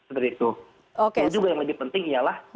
dan juga yang lebih penting ialah